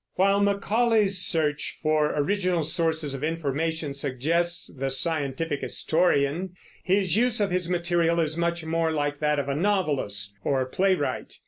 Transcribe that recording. While Macaulay's search for original sources of information suggests the scientific historian, his use of his material is much more like that of a novelist or playwright.